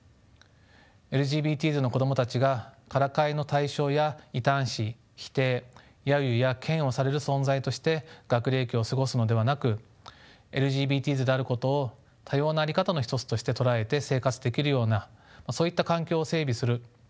ＬＧＢＴｓの子供たちがからかいの対象や異端視否定揶揄や嫌悪される存在として学齢期を過ごすのではなくＬＧＢＴｓであることを多様な在り方の一つとして捉えて生活できるようなそういった環境を整備する。